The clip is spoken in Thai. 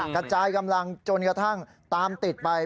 กระจายกำลังจนกระทั่งตามติดไป